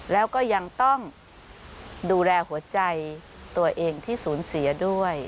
แล้วก็ยังต้องดูแลหัวใจตัวเองที่สูญเสียด้วย